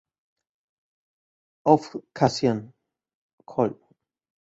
Auf Cassian, coll.